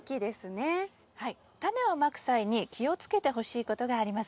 タネをまく際に気をつけてほしいことがあります。